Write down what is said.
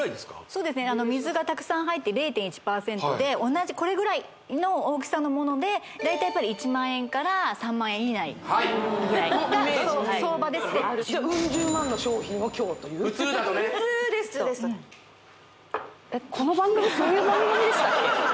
そうですね水がたくさん入って０．１％で同じこれぐらいの大きさのもので大体１万円から３万円以内ぐらいのイメージ相場ですねじゃウン十万の商品を今日という普通だとね普通ですとこの番組そういう番組でしたっけ？